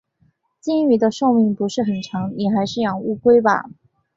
金鱼的寿命不是很长，你还是养乌龟吧。